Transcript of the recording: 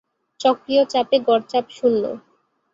চক্রীয় চাপে গড় চাপ শূন্য।